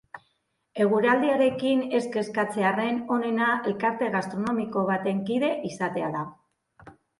Eguraldiarekin ez kezkatzearren, onena, elkarte gastronomiko baten kide izatea da.